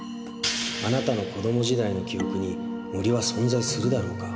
「あなたの子供時代の記憶に森は存在するだろうか」